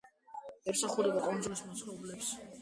ემსახურება კუნძულის მაცხოვრებლებს.